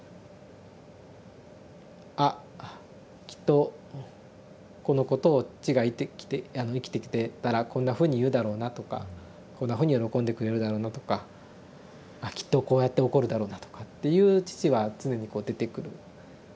「あきっとこのことを父が生きてきてたらこんなふうに言うだろうな」とか「こんなふうに喜んでくれるだろうな」とか「あきっとこうやって怒るだろうな」とかっていう父は常にこう出てくる。